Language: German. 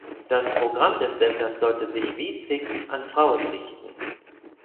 Das Programm des Senders sollte sich wie sixx an Frauen richten.